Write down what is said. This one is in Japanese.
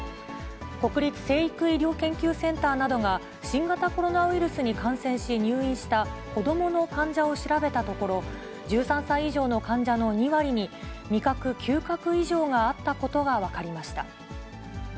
国立成育医療研究センターなどが新型コロナウイルスに感染し入院した子どもの患者を調べたところ、１３歳以上の患者の２割に、味覚・嗅覚異常があったことが分かりました。